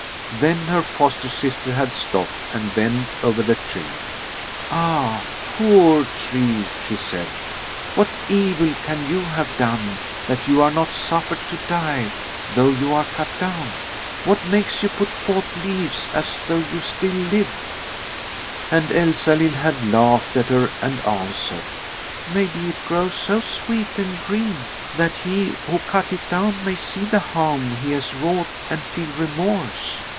Then her foster sister had stopped and bent over the tree. "Ah, poor tree," she said, "what evil can you have done, that you are not suffered to die, though you are cut down? What makes you put forth leaves, as though you still lived?" And Elsalill had laughed at her and answered: "Maybe it grows so sweet and green that he who cut it down may see the harm he has wrought and feel remorse."